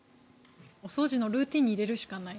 お掃除のルーチンに入れるしかない。